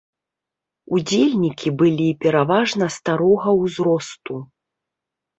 Удзельнікі былі пераважна старога ўзросту.